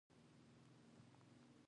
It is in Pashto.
قضایي کنټرول د بودیجې د مؤثریت لپاره دی.